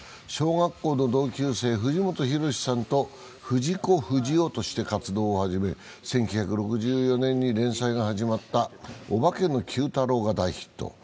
小学校の同級生、藤本弘さんと藤子不二雄として活動を始め１９６４年に連載が始まった「オバケのＱ太郎」が大ヒット。